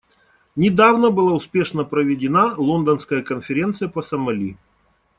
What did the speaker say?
Недавно была успешно проведена Лондонская конференция по Сомали.